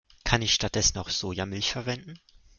Kann ich stattdessen auch Sojamilch verwenden?